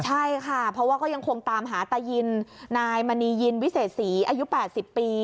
ใช่ค่ะเพราะว่าก็ยังคงตามหาตายินนายมณียินวิเศษศรีอายุ๘๐ปี